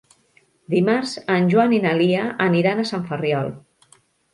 Dimarts en Joan i na Lia aniran a Sant Ferriol.